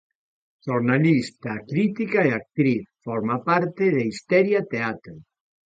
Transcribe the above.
Xornalista, crítica e actriz, forma parte de Histeria Teatro.